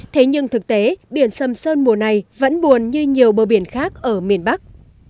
thế nhưng thực tế biển sầm sơn mùa này vẫn buồn như nhiều bờ biển khác ở miền bắc